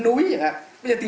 như là thiên hoa phấn